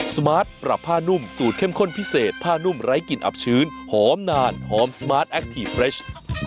สมาร์ทปรับผ้านุ่มสูตรเข้มข้นพิเศษผ้านุ่มไร้กลิ่นอับชื้นหอมนานหอมสมาร์ทแอคทีฟเรช